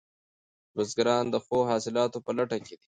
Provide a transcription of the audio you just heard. بزګران د ښو حاصلاتو په لټه کې دي.